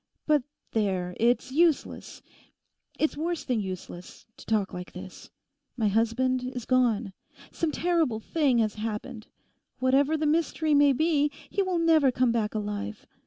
But there, it's useless, it's worse than useless, to talk like this. My husband is gone. Some terrible thing has happened. Whatever the mystery may be, he will never come back alive.